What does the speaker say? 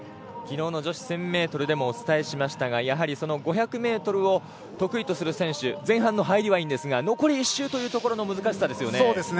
昨日の女子１０００ｍでもお伝えしましたがやはり５００ｍを得意とする選手前半の入りはいいんですが残り１周というところの難しさですよね。